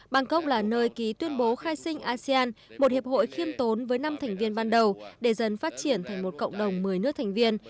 bangkok là nơi ký tuyên bố khai sinh asean một hiệp hội khiêm tốn với năm thành viên ban đầu để dần phát triển thành một cộng đồng một mươi nước thành viên